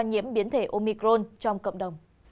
nhiễm biến thể omicron trong cộng đồng